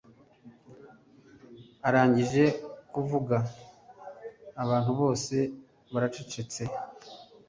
Arangije kuvuga abantu bose baracecetse